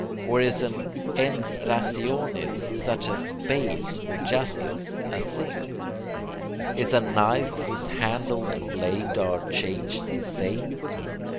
or is an ENS RATIONIS such as space or justice a thing? Is a knife whose handle and blade are changed the 'same'?